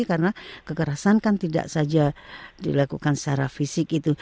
karena kekerasan kan tidak saja dilakukan secara fisik itu